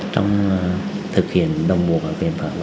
chúng tôi thực hiện đồng bộ bản quyền pháp